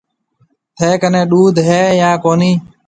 ٿَي ڪنَي ڏوڌ هيَ يان ڪونَي